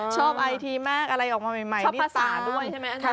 ชอบไอทีมากอะไรออกมาใหม่ชอบภาษาด้วยใช่ไหมอาจารย์